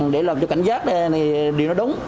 để làm cho cảnh giác đây thì điều đó đúng